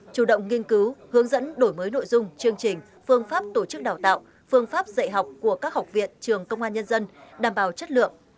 chủ động nghiên cứu hướng dẫn đổi mới nội dung chương trình phương pháp tổ chức đào tạo phương pháp dạy học của các học viện trường công an nhân dân đảm bảo chất lượng